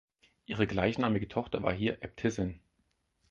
Ihre gleichnamige Tochter war hier Äbtissin.